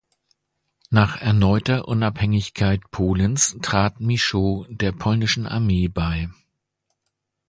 Nach erneuter Unabhängigkeit Polens trat Michaux der polnischen Armee bei.